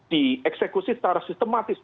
dieksekusi secara sistematis